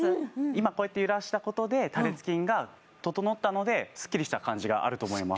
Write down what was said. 今こうやって揺らしたことで多裂筋が整ったのでスッキリした感じがあると思います